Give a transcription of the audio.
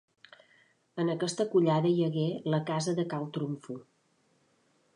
En aquesta collada hi hagué la casa de Cal Trumfo.